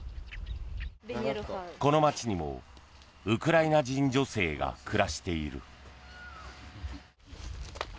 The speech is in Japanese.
この街にも、ウクライナ人女性が暮らしている。